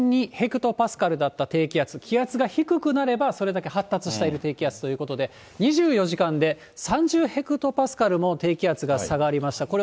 ヘクトパスカルだった低気圧、気圧が低くなればそれだけ発達している低気圧ということで、２４時間で３０ヘクトパスカルも低気圧が下がりました。